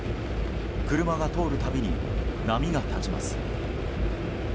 車が通る度に波が立ちます。